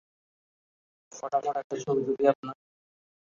ফটাফট একটা ছবি তুলি আপনার?